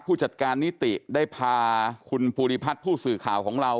ผู้จัดการนิติได้พาคุณภูริพัฒน์ผู้สื่อข่าวของเรา